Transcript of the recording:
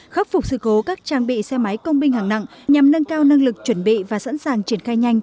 khắc phục sự cố các trang bị xe máy công binh hạng nặng nhằm nâng cao năng lực chuẩn bị và sẵn sàng triển khai nhanh